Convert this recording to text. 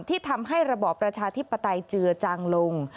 ที่ทำให้ระบอบประชาธิปไตยเจือจางลง